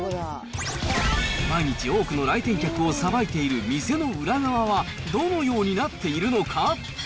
毎日多くの来店客をさばいている店の裏側は、どのようになっているのか。